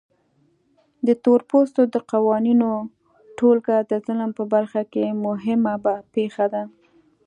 د تورپوستو د قوانینو ټولګه د ظلم په برخه کې مهمه پېښه ده.